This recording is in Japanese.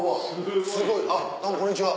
すごいあっどうもこんにちは。